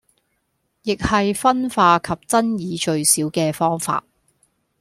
亦係分化及爭議最少既方法